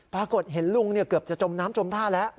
ปรากฏเห็นลุงเกือบจะจมน้ำจมท่าแล้ว